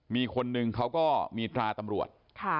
มีคนนึงเขาก็มีตราตำรวจ